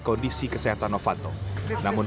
kondisi kesehatan novanto namun